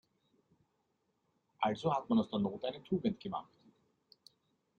Also hat man aus der Not eine Tugend gemacht.